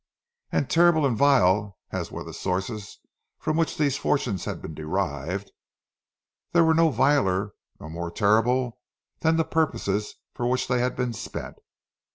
And terrible and vile as were the sources from which the fortunes had been derived, they were no viler nor more terrible than the purposes for which they had been spent.